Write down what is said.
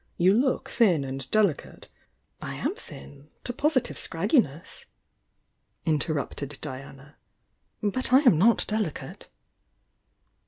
You look thin and delicate "I am thin— to positive scragginess, interrupted Diana, "but I am not delicate."